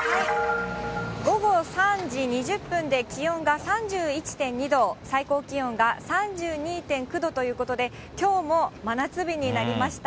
午後３時２０分で、気温が３１．２度、最高気温が３２．９度ということで、きょうも真夏日になりました。